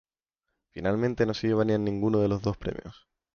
Finalmente no se llevarían ninguno de los dos premios.